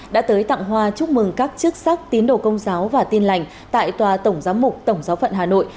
đã tới tặng hoa chúc mừng các chức sắc tín đồ công giáo và tin lành tại tòa tổng giám mục tổng giáo phận hà nội